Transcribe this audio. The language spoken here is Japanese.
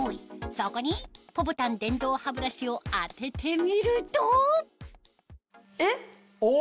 そこにポポタン電動歯ブラシを当ててみるとえっ？